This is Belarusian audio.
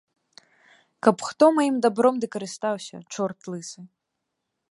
Каб хто маім дабром ды карыстаўся, чорт лысы?